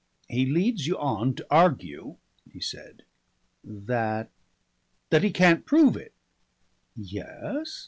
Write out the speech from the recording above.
"He leads you on to argue," he said. "That ?" "That he can't prove it." "Yes?"